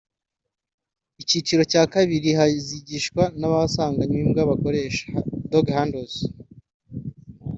Icyiciro cya kabiri hazigishwa n’abasanganywe imbwa bakoresha (dog handlers)